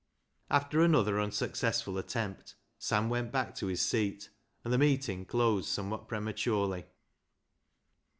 After another unsuccessful attempt, Sam went back to his seat, and the meeting closed some what prematurely.